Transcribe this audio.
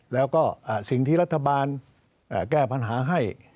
แล้วก็สิ่งที่รัฐบาลแก้ปัญหาให้